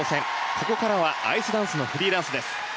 ここからはアイスダンスのフリーダンスです。